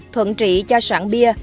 thuận trị cho soạn bia